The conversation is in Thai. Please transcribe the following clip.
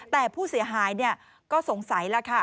แต่ผู้เสียหายก็สงสัยแล้วค่ะ